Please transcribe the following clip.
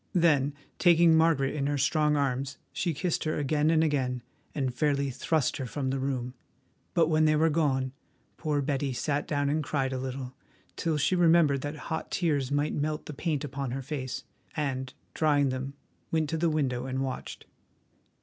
Then, taking Margaret in her strong arms, she kissed her again and again, and fairly thrust her from the room. But when they were gone, poor Betty sat down and cried a little, till she remembered that hot tears might melt the paint upon her face, and, drying them, went to the window and watched.